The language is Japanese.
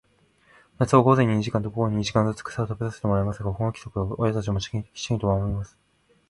夏は午前に二時間と、午後に二時間ずつ、草を食べさせてもらいますが、この規則を親たちもきちんと守ります。